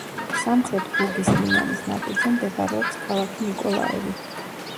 სამხრეთ ბუგის ლიმანის ნაპირზე მდებარეობს ქალაქი ნიკოლაევი.